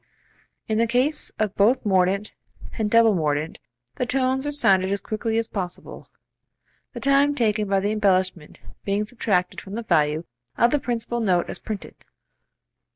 In the case of both mordent and double mordent the tones are sounded as quickly as possible, the time taken by the embellishment being subtracted from the value of the principal note as printed.